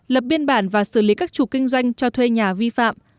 lập biên bản và xử lý các chủ kinh doanh cho thuê nhà vi phạm